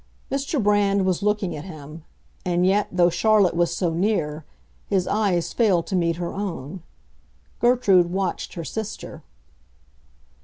Mr. Brand was looking at him; and yet, though Charlotte was so near, his eyes failed to meet her own. Gertrude watched her sister.